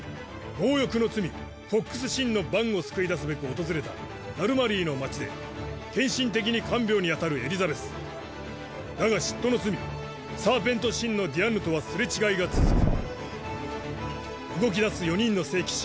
強欲の罪のバンを救い出すべく訪れたダルマリーの町で献身的に看病に当たるエリザベスだが嫉妬の罪嫉妬の罪のディアンヌとはすれ違いが続く動きだす四人の聖騎士